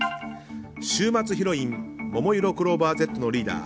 週末ヒロインももいろクローバーＺのリーダー